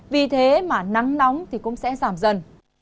vì thế mà nắng nóng cũng sẽ giảm dần